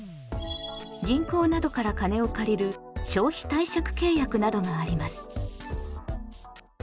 銀行などから金を借りる消費貸借契約などがあります。